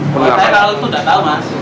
saya kalau itu udah tahu mas